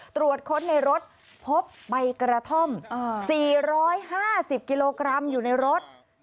ตรวจค้นในรถพบใบกระท่อม๔๕๐กิโลกรัมอยู่ในรถ